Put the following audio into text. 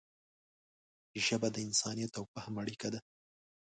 ژبه د انسانیت او فهم اړیکه ده